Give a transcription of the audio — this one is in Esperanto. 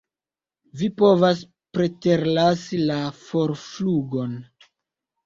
Vi povas preterlasi la forflugon.